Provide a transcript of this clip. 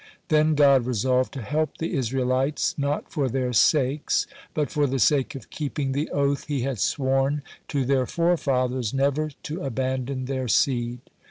Then God resolved to help the Israelites, not for their sakes, but for the sake of keeping the oath he had sworn to their forefathers, never to abandon their seed.